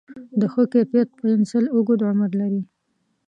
د ښه کیفیت پنسل اوږد عمر لري.